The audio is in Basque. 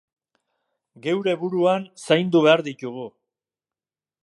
Geure buruan zaindu behar ditugu.